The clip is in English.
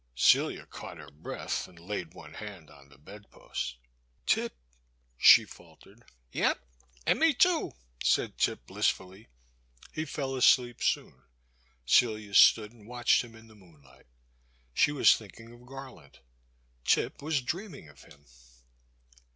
Celia caught her breath and laid one hand on the bed post. '*Tip,'* she faltered. Yep — an' me, too," said Tip, blissfiilly. He fell asleep soon ; Celia stood and watched him in the moonlight. She was thinking of Gar land; Tip was dreaming of him.